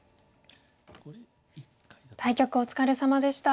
対局お疲れさまでした。